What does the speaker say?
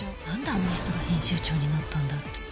何で、あんな人が編集長になったんだろう。